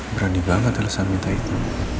berani banget alisa minta itu